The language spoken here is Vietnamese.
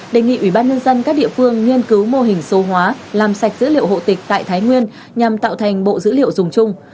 đề nghị ủy ban nhân dân các địa phương nghiên cứu mô hình số hóa làm sạch dữ liệu hộ tịch tại thái nguyên